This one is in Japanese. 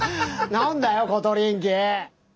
何だよコトリンキー！